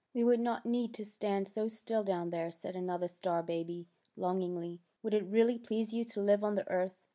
"'' We would not need to stand so still down there," said another star baby, longingly. *^ Would it really please you to live on the earth?